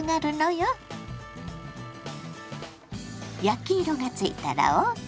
焼き色がついたらＯＫ。